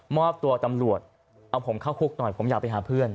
มอบตัวตำรวจเอาผมเข้าคุกหน่อยผมอยากไปหาเพื่อน